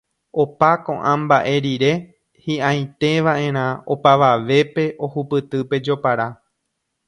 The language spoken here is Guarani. Opa ko'ã mba'e rire, hi'ãiteva'erã opavavépe ohupyty pe jopara